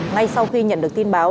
ngay sau khi nhận được tin báo